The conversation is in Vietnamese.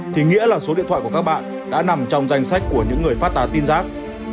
thì nghĩa là số điện thoại của các bạn đã nằm trong danh sách của những người phát tán tin rác